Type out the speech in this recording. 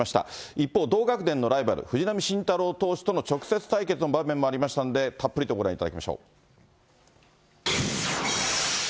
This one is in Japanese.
一方、同学年のライバル、藤浪晋太郎投手との直接対決の場面もありましたんで、たっぷりとご覧いただきましょう。